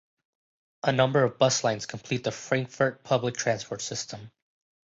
A number of bus lines complete the Frankfurt public transport system.